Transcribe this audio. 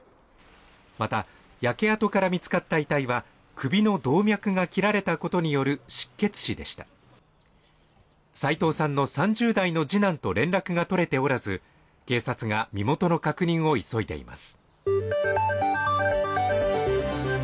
また焼け跡から見つかった遺体は首の動脈が切られたことによる失血死でした齋藤さんの３０代の次男と連絡が取れておらず警察が身元の確認を急いでいます